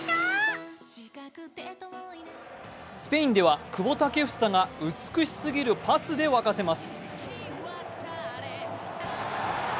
スペインでは久保建英が美しすぎるパスで沸かせます。